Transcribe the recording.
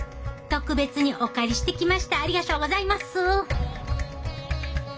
特別にお借りしてきましたありがショーございます。